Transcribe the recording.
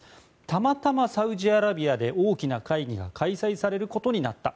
たまたまサウジアラビアで大きな会議が開催されることになった。